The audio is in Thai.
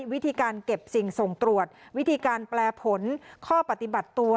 วิธีการเก็บสิ่งส่งตรวจวิธีการแปลผลข้อปฏิบัติตัว